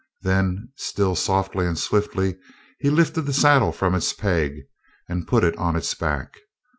Then, still softly and swiftly, he lifted the saddle from its peg and put it on its back.